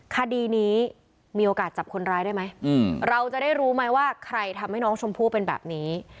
คดีนี้มีโอกาสจับคนร้ายได้ไหมเราจะได้รู้ไหมว่าใครทำให้น้องชมพู่เป็นแบบนี้